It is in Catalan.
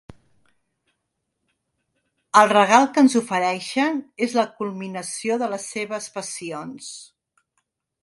El regal que ens ofereixen és la culminació de les seves passions.